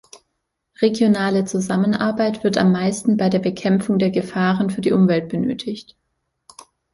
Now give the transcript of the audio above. Regionale Zusammenarbeit wird am meisten bei der Bekämpfung der Gefahren für die Umwelt benötigt.